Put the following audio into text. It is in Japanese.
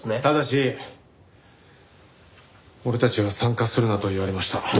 ただし俺たちは参加するなと言われました。